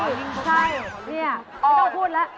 อุ๊ยใช่นี่ไม่ต้องพูดแล้ว